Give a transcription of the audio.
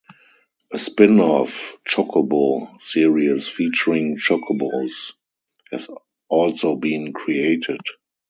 A spin-off "Chocobo" series featuring chocobos has also been created.